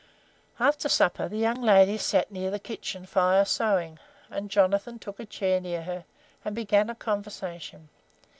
"After supper the young lady sat near the kitchen fire sewing, and Jonathan took a chair near her and began a conversation.